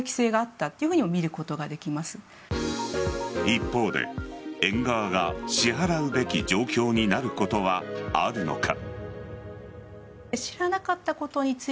一方で、園側が支払うべき状況になることはあるのか。